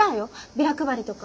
ビラ配りとか。